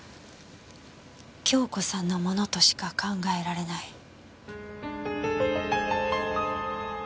京子さんのものとしか考えられない。